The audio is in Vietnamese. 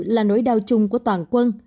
là nỗi đau chung của toàn quân